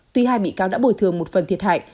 tuy hai bị cáo đã bồi thường một phần thiệt hại